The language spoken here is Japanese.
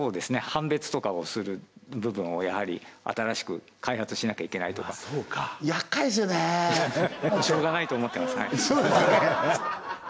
判別とかをする部分をやはり新しく開発しなきゃいけないとかやっかいっすよねもうしょうがないと思ってますそうですよね